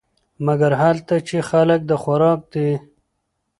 مګر هلته چې خلک د خوراک دي .